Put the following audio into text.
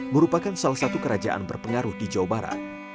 merupakan salah satu kerajaan berpengaruh di jawa barat